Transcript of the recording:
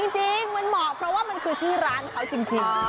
จริงมันเหมาะเพราะว่ามันคือชื่อร้านเขาจริง